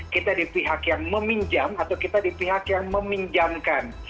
kita di pihak yang meminjam atau kita di pihak yang meminjamkan